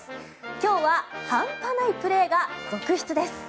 今日は半端ないプレーが続出です。